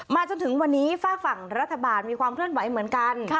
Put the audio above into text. จนถึงวันนี้ฝากฝั่งรัฐบาลมีความเคลื่อนไหวเหมือนกัน